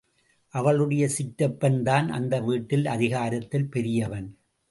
அவளுடைய சிற்றப்பன்தான் அந்த வீட்டில் அதிகாரத்தில் பெரியவன்.